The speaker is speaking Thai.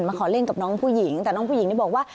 ขอเล่นกับน้องผู้หญิงแต่น้องผู้หญิงนี่บอกว่า